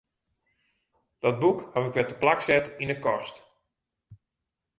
Dat boek haw ik wer teplak set yn 'e kast.